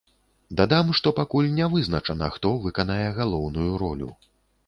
Дадам, што пакуль не вызначана, хто выканае галоўную ролю.